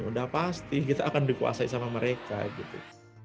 udah pasti kita akan dikuasai sama mereka gitu